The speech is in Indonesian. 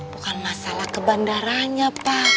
bukan masalah ke bandaranya pak